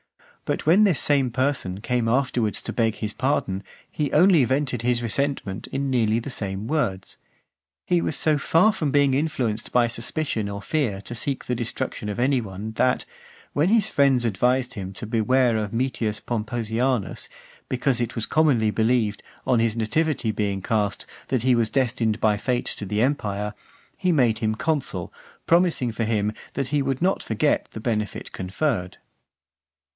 But when this same person came afterwards to beg his pardon, he only vented his resentment in nearly the same words. He was so far from being influenced by suspicion or fear to seek the destruction of any one, that, when his friends advised him to beware of Metius Pomposianus, because it was commonly believed, on his nativity being cast, that he was destined by fate to the empire, he made him consul, promising for him, that he would not forget the benefit conferred.